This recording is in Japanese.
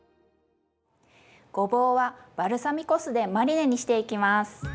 ごぼうはバルサミコ酢でマリネにしていきます。